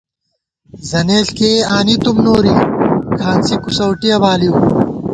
زنېݪ کېئی آنِی تُوم نوری ، کھانڅی کُوسَؤٹِیَہ بالِؤ